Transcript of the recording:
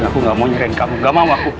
mas aku enggak mau nyereng kamu enggak mau aku